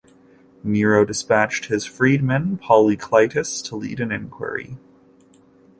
Nero despatched his freedman, Polyclitus, to lead an inquiry.